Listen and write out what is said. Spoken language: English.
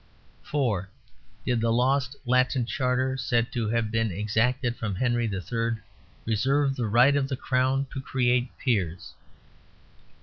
IV. Did the lost Latin Charter said to have been exacted from Henry III reserve the right of the Crown to create peers?